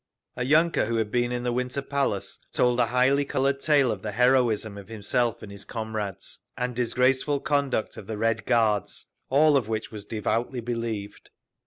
A yunker who had been in the Winter Palace told a highly coloured tale of the heroism of himself and his comrades, and disgraceful conduct of the Red Guards—all of which was devoutly believed.